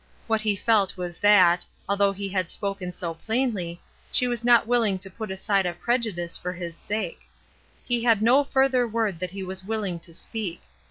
What he felt was that, although he had spoken so plainly, she was not willing to put aside a prejudice for his sake. He had no further word that he was willing to speak.